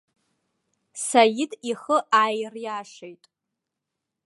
Саид ихы ааириашеит.